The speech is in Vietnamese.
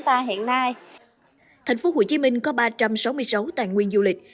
thành phố hồ chí minh có ba trăm sáu mươi sáu tài nguyên du lịch